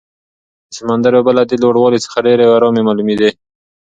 د سمندر اوبه له دې لوړوالي څخه ډېرې ارامې معلومېدې.